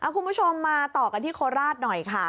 คุณผู้ชมมาต่อกันที่โคราชหน่อยค่ะ